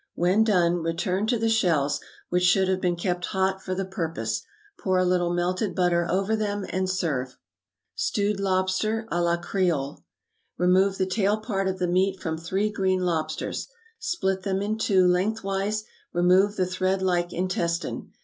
When done, return to the shells, which should have been kept hot for the purpose; pour a little melted butter over them, and serve. =Stewed Lobster, à la Créole.= Remove the tail part of the meat from three green lobsters; split them in two lengthwise; remove the thread like intestine.